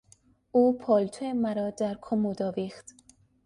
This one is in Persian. او پالتو مرا در کمد آویخت.